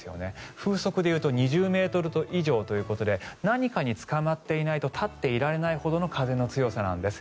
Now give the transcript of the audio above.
風速で言うと２０ｍ以上ということで何かにつかまっていないと立っていられないほどの風の強さなんです。